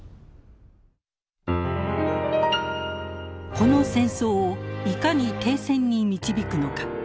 この戦争をいかに停戦に導くのか。